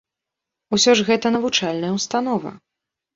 Усё ж гэта навучальная ўстанова!